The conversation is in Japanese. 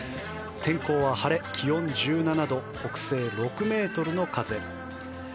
天候は晴れ、気温１７度北西６メートルの風。